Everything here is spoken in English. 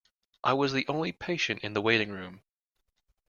I was the only patient in the waiting room.